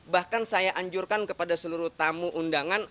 bahkan saya anjurkan kepada seluruh tamu undangan